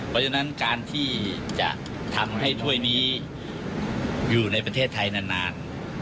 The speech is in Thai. เพราะฉะนั้นการที่จะทำให้ถ้วยนี้อยู่ในประเทศไทยนาน